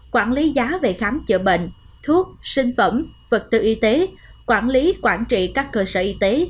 quản lý giá về khám chữa bệnh thuốc sinh phẩm vật tư y tế quản lý quản trị các cơ sở y tế